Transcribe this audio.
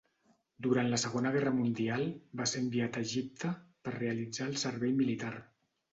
Durant la Segona Guerra Mundial, va ser enviat a Egipte per realitzar el servei militar.